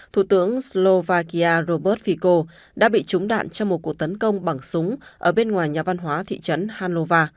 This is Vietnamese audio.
thủ tướng slovakia robert fico đã bị trúng đạn trong một cuộc tấn công bằng súng ở bên ngoài nhà văn hóa thị trấn hanova